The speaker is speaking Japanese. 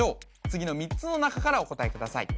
次の３つの中からお答えください